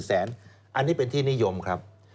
อันนี้เป็นที่นิยมครับ